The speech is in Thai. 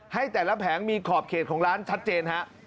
ให้แต่ละแผงมีขอบเขตของร้านชัดเจนฮะ